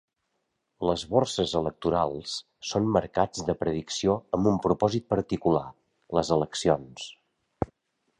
Les borses electorals són mercats de predicció amb un propòsit particular: les eleccions.